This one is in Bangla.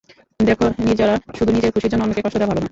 দেখো নির্জারা, শুধু নিজের খুশির জন্য অন্যকে কষ্ট দেওয়া ভালো না।